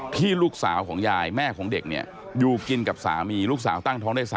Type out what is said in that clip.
พี่ลูกสาวแม่ของเด็กอยู่กินกับสามีลูกสาวตั้งท้องได้๓๔เดือน